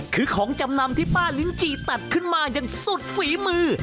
คือของจำนำที่ป้าลิ้นจีตัดขึ้นมาอย่างสุดฝีมือ